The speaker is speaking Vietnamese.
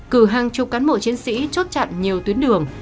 cử hàng chục cán bộ chiến sĩ chốt chặn nhiều tuyến đường